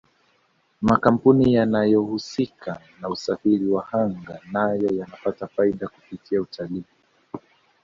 makampuni yanayohusika na usafiri wa anga nayo yanapata faida kupitia utalii